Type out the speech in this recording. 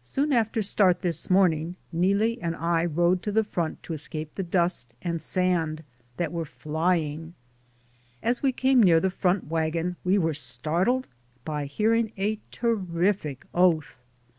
Soon after the start this morning, Neelie and I rode to the front to escape the dust and sand that were flying; as we came near the front wagon we were startled by hearing a terrific oath.